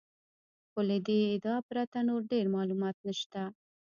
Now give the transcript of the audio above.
خو له دې ادعا پرته نور ډېر معلومات نشته.